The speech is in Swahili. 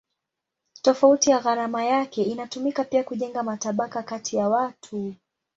Tofauti ya gharama yake inatumika pia kujenga matabaka kati ya watu.